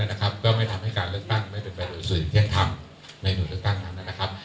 แล้วไม่ทำให้การเลือกตั้งไม่เป็นแบบสูญเที่ยงคำในหนุนเลือกตั้งคำนะครับ